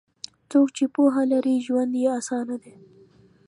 څوک چې پوهه لري، ژوند یې اسانه دی.